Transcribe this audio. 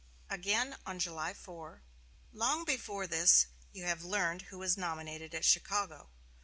Again, on July 4: "Long before this you have learned who was nominated at Chicago.